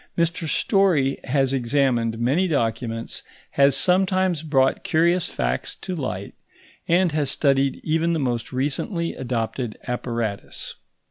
Mr Story has examined many documents, has sometimes brought curious facts to light, and has studied even the most recently adopted apparatus.